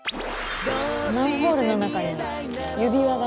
マンホールの中に指輪が。